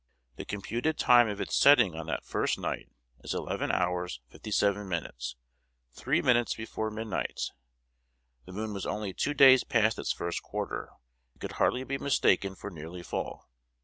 "The computed time of its setting on that night is 11 h. 57 m., three minutes before midnight. "The moon was only two days past its first quarter, and could hardly be mistaken for 'nearly full.'"